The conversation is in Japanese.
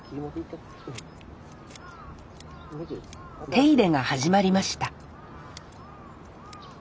手入れが始まりました